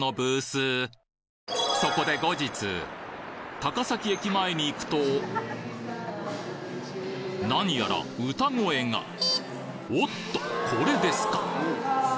そこで後日高崎駅前に行くとなにやら歌声がおっとこれですか？